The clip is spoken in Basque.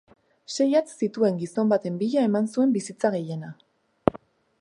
Sei hatz zituen gizon baten bila eman zuen bizitza gehiena.